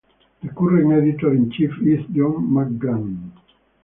The current editor-in-chief is John Mcgann.